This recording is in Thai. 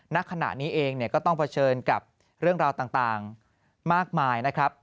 ณขณะนี้เองก็ต้องเผชิญกับเรื่องราวต่างมากมายนะครับ